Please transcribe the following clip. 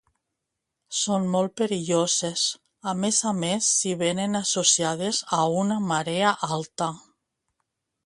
Són molt perilloses, a més a més si vénen associades a una marea alta.